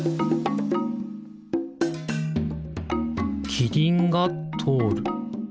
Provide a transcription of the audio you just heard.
キリンがとおる。